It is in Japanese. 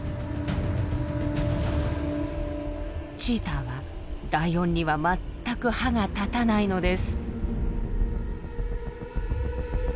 チーターはライオンには全く歯が立たないのです。